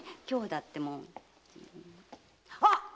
今日だってもう。